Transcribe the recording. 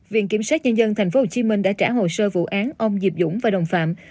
viện kiểm sát nhân dân tp hcm đã trả hồ sơ vụ án ông diệp dũng và đồng phạm